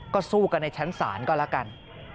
ก็สู้กันในชั้นศาลก็แล้วกัน